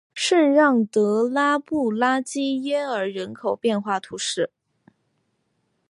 圣让德拉布拉基耶尔人口变化图示